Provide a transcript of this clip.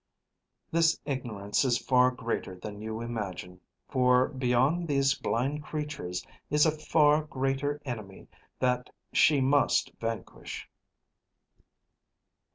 This ignorance is far greater than you imagine, for beyond these blind creatures is a far greater enemy that she must vanquish."